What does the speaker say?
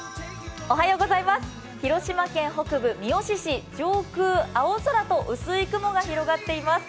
広島県北部、三次市、上空、青空と薄い雲が広がっています。